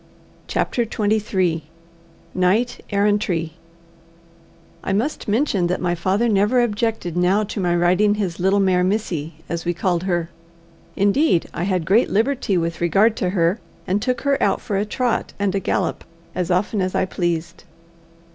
CHAPTER XXIII Knight Errantry I must mention that my father never objected now to my riding his little mare Missy, as we called her. Indeed, I had great liberty with regard to her, and took her out for a trot and a gallop as often as I pleased.